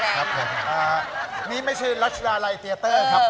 ครับผมนี่ไม่ใช่รัชดาลัยเตียเตอร์ครับ